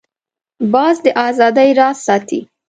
باز د آزادۍ راز ساتي